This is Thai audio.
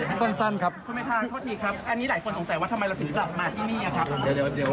ขออนุญาตนะครับขอขออนุญาตตอนสอบสิ่งที่เราอยากจะพูดถึงผู้เสียหายมากเลยครับ